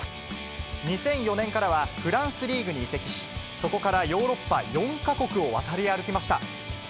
２００４年からはフランスリーグに移籍し、そこからヨーロッパ４か国を渡り歩きました。